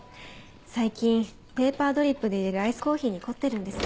最近ペーパードリップで入れるアイスコーヒーに凝ってるんです。